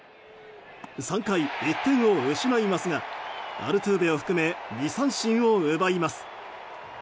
３回、１点を失いますがアルトゥーベを含め２三振を奪います。